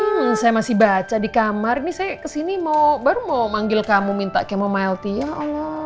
hmm saya masih baca di kamar ini saya kesini mau baru mau manggil kamu minta kemo milethi ya allah